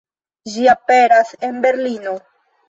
Ĝi aperas en Berlino.